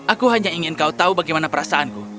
aku hanya ingin kau tahu bagaimana perasaanku